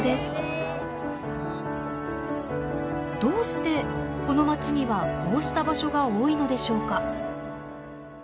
どうしてこの町にはこうした場所が多いのでしょうか。